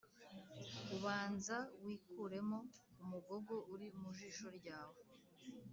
Ubanza wikuremo umugogo uri mu jisho ryawe.